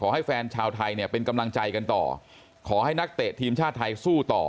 ให้แฟนชาวไทยเนี่ยเป็นกำลังใจกันต่อขอให้นักเตะทีมชาติไทยสู้ต่อ